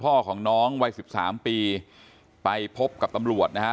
พาคุณพ่อของน้องวัย๑๓ปีไปพบกับตำรวจนะฮะ